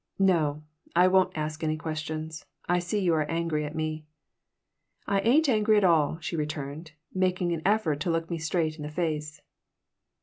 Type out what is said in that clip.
"No, I won't ask any questions. I see you are angry at me." "I ain't angry at all," she returned, making an effort to look me straight in the face.